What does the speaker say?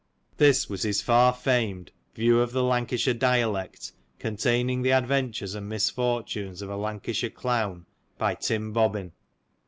This was his far famed " View of the Lancashire Dialect ; containing the Adventures and Misfortunes of a Lancashire Clown : by Tim Bobbin."